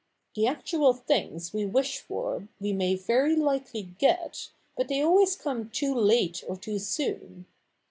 The actual things we wish for we may very likely get, but they always come too late or too soon.